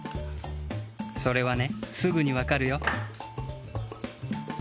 それはねすぐにわかるよ。